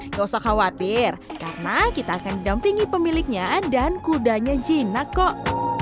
nggak usah khawatir karena kita akan didampingi pemiliknya dan kudanya jinak kok